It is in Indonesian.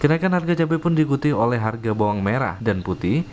kenaikan harga cabai pun diikuti oleh harga bawang merah dan putih